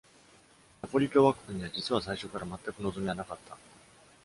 ナポリ共和国には、実は最初からまったく望みはなかった。